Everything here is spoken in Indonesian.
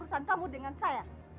syukur duit saya